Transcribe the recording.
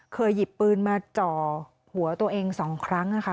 เคยหยิบปืนมาจ่อหัวตัวเองสองครั้งนะคะ